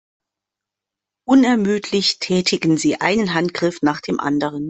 Unermüdlich tätigen sie einen Handgriff nach dem anderen.